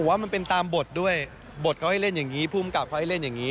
ว่ามันเป็นตามบทด้วยบทเขาให้เล่นอย่างนี้ภูมิกับเขาให้เล่นอย่างนี้